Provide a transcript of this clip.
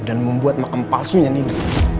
dan membuat makam palsunya nino